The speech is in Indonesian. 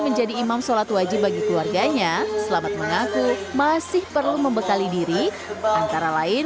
menjadi imam sholat wajib bagi keluarganya selamat mengaku masih perlu membekali diri antara lain